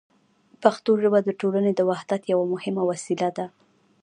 پښتو ژبه د ټولنې د وحدت یوه مهمه وسیله ده.